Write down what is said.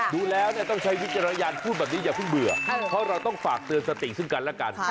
ดูแล้วต้องใช้วิจารณญาณพูดแบบนี้อย่าเพิ่งเบื่อเพราะเราต้องฝากเตือนสติซึ่งกันแล้วกัน